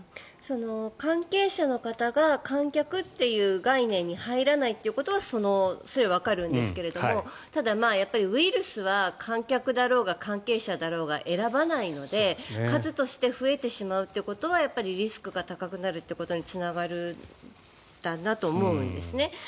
関係者の方が観客という概念に入らないということはわかりますがただ、ウイルスは観客だろうが関係者だろうが選ばないので数として増えてしまうことはリスクが高くなることにつながるんだなと思うんですね。